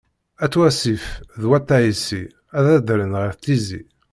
At Wasif d Wat Ɛisi ad adren ɣer Tizi..